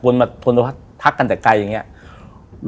ตะโกนแบบทโกนตะวัดทักกันแต่ไกลอย่างเงี้ยโดรนท์